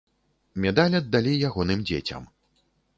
Медаль аддалі ягоным дзецям.